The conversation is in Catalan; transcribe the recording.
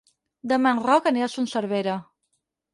Demà en Roc anirà a Son Servera.